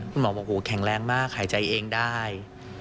คุณหมอบอกโหแข็งแรงมากหายใจเองได้